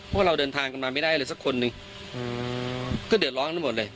ว่าเราเดินทางกันมาไม่ได้เลยสักคนหนึ่งก็เดือดร้อนกันหมดเลย